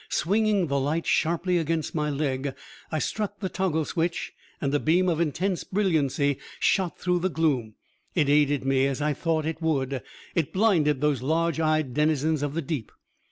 Swinging the light sharply against my leg, I struck the toggle switch, and a beam of intense brilliancy shot through the gloom. It aided me, as I had thought it would; it blinded these large eyed denizens of the deep.